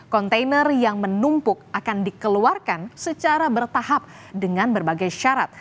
kontainer yang menumpuk akan dikeluarkan secara bertahap dengan berbagai syarat